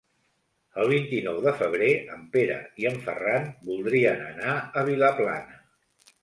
El vint-i-nou de febrer en Pere i en Ferran voldrien anar a Vilaplana.